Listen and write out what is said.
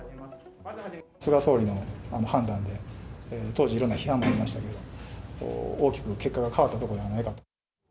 菅総理の判断で、当時いろんな批判もありましたけど、大きく結果が変わったところではないかと。